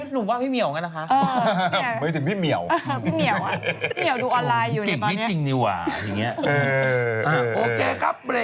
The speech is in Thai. หนูว่าพี่เหมียวกันนะคะพี่เหมียวอะพี่เหมียวดูออนไลน์อยู่เนี่ยตอนนี้เก่งให้จริงดีว่าอย่างเงี้ย